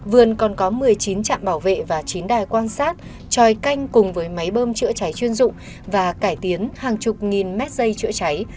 vườn còn có một mươi chín trạm bảo vệ và chín đài quan sát tròi canh cùng với máy bơm chữa cháy chuyên dụng và cải tiến hàng chục nghìn mét dây chữa cháy